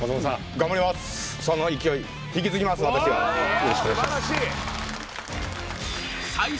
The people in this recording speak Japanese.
よろしくお願いします